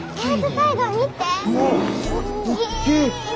おっきい！